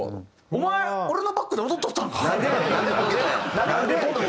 お前俺のバックで踊っとったんか。